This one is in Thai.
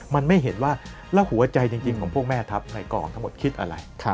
มันไม่เห็นว่าแล้วหัวใจจริงของพวกแม่ทัพในกองทั้งหมดคิดอะไร